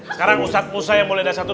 sekarang ustadz musa yang boleh dasar tuh